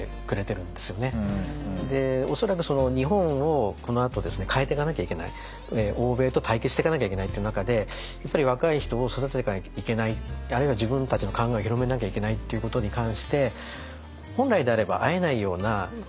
で恐らく日本をこのあと変えていかなきゃいけない欧米と対決していかなきゃいけないという中でやっぱり若い人を育てていかなきゃいけないあるいは自分たちの考えを広めなきゃいけないっていうことに関して本来であれば会えないような